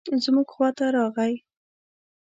زموږ خواته راغی.